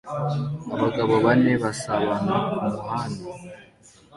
Abagabo bane basabana kumuhanda